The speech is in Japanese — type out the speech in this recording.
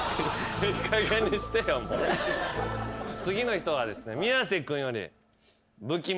次の人はですね。